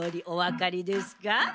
おわかりですか？